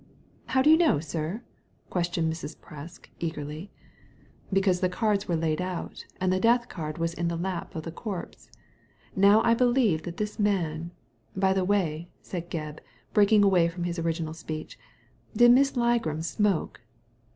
"How do you know, sir?" questioned Mrs. Presk, eagerly. " Because the cards were laid out, and the death card was in the lap of the corpse. Now I believe that this man By the way," said Gebb, breaking away from his original speech, "did Miss Ligram smoke